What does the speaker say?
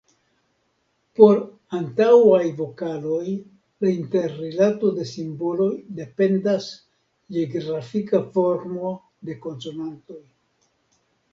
Por antaŭaj vokaloj la interrilato de simboloj dependas je grafika formo de konsonantoj.